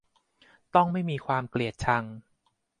ต้องไม่มีความเกลียดชัง